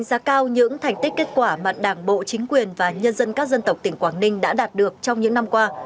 đã thành tích kết quả mà đảng bộ chính quyền và nhân dân các dân tộc tỉnh quảng ninh đã đạt được trong những năm qua